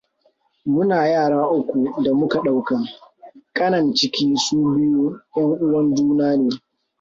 Muna yara uku da muka ɗauka. Ƙanan ciki su biyu ƴanuwan juna ne.